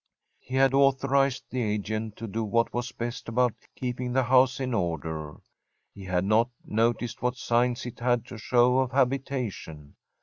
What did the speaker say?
He had authorized the agent to do what was best about keeping the house in order. He had not noticed what signs it had to show of habitation.